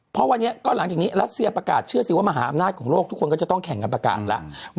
เพราะวันนี้ก็หลังจากนี้รัสเซียประกาศเชื่อสิว่ามหาอำนาจของโลกทุกคนก็จะต้องแข่งกันประกาศแล้ว